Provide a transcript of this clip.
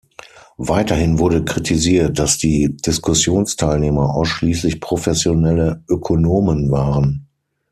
Weiterhin wurde kritisiert, dass die Diskussionsteilnehmer ausschließlich professionelle Ökonomen waren.